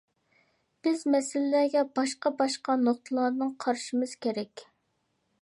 بىز مەسىلىلەرگە باشقا-باشقا نۇقتىلاردىن قارىشىمىز كېرەك.